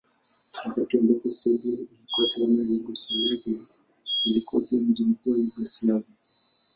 Wakati ambako Serbia ilikuwa sehemu ya Yugoslavia ilikuwa pia mji mkuu wa Yugoslavia.